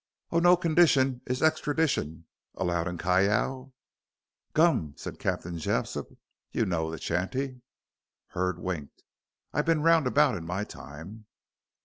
"On no condition, is extradition, Allowed in Callao." "Gum," said Captain Jessop, "you know the chanty." Hurd winked. "I've bin round about in my time."